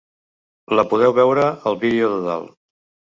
La podeu veure al vídeo de dalt.